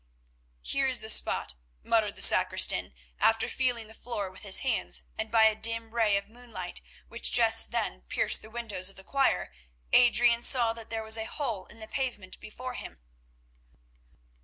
"Here is the spot," muttered the sacristan, after feeling the floor with his hands, and by a dim ray of moonlight which just then pierced the windows of the choir, Adrian saw that there was a hole in the pavement before him.